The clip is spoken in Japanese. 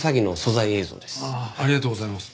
ありがとうございます。